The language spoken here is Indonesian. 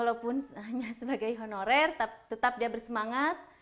walaupun hanya sebagai honorer tetap dia bersemangat